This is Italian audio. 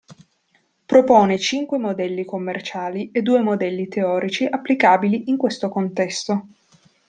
Propone cinque modelli commerciali e due modelli teorici applicabili in questo contesto.